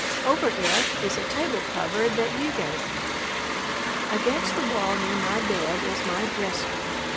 Over it is a table cover that you gave me. Against the wall near my bed is my "dresser."